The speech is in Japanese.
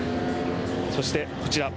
そして、こちら。